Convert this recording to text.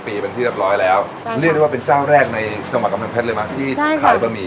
คุณเรียกได้ว่าเป็นเจ้าแรกในสมัครกำลังแพทย์เลยมาที่ขายบะหมี่